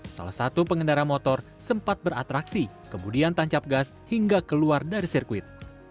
salah satu pengendara motor sempat beratraksi kemudian tancap gas hingga keluar dari sirkuit